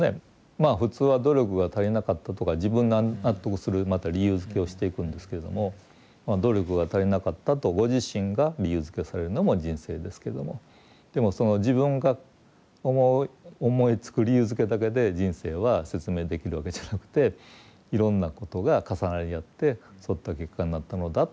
まあ普通は努力が足りなかったとか自分が納得するまた理由づけをしていくんですけれどもまあ努力が足りなかったとご自身が理由づけをされるのも人生ですけどもでもその自分が思う思いつく理由づけだけで人生は説明できるわけじゃなくていろんなことが重なり合ってそういった結果になったのだっていう。